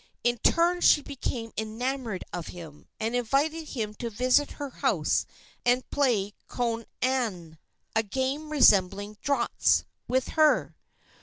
In turn she became enamored of him, and invited him to visit her house and play konane a game resembling draughts with her.